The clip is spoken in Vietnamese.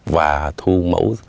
và thu mẫu